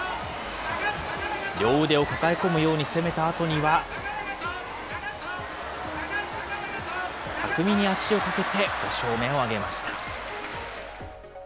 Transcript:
両腕を抱え込むように攻めたあとには、巧みに足をかけて、５勝目を挙げました。